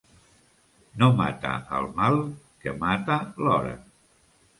No mata el mal, que mata l'hora.